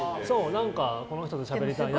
この人としゃべりたいなとか。